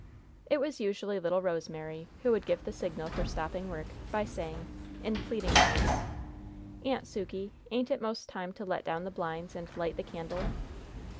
It was usually little Rosemary who would give the signal for stopping work, by saying, in pleading tones: "Aunt Sukey, ain't it most time to let down the blinds and light the candle?"